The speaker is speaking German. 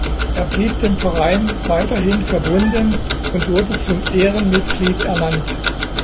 Er blieb dem Verein weiterhin verbunden und wurde zum Ehrenmitglied ernannt.